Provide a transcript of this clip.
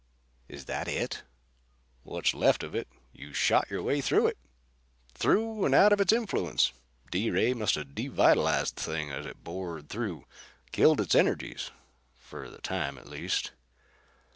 "Is that it?" "What's left of it. You shot your way through it; through and out of its influence. D ray must have devitalized the thing as it bored through. Killed its energies for the time, at least."